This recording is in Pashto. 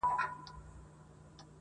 خدایه ته ګډ کړې دا د کاڼو زیارتونه-